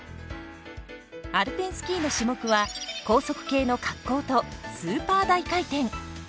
アルペンスキーの種目は高速系の滑降とスーパー大回転。